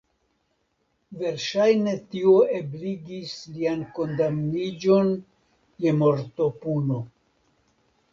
Verŝajne tio ebligis lian kondamniĝon je mortopuno.